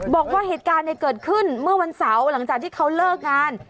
บอกว่าเหตุการณ์เกิดขึ้นเมื่อวันเสาร์หลังจากที่เขาเลิกงาน